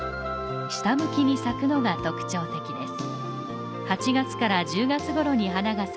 下向きに咲くのが特徴的です。